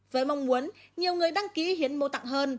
với mong muốn nhiều người đăng ký hiến mô tạng hơn